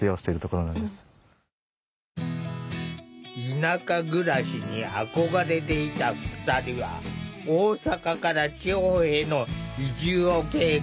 田舎暮らしに憧れていた２人は大阪から地方への移住を計画。